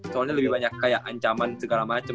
soalnya lebih banyak kayak ancaman segala macam